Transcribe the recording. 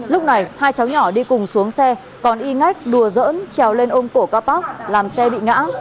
lúc này hai cháu nhỏ đi cùng xuống xe còn y ngách đùa dỡn trèo lên ôm cổ capok làm xe bị ngã